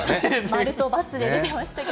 〇と×で出てましたね。